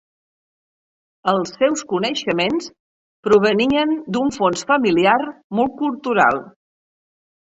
Els seus coneixements provenien d’un fons familiar molt cultural.